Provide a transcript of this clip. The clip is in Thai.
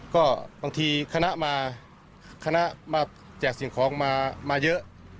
ก็บางทีคณะมาคณะมาแจกสิ่งของมาเยอะ